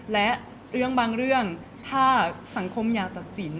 และเรื่องบางเรื่องถ้าสังคมอยากตัดสิน